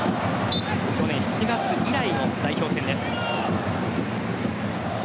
去年７月以来の代表戦です。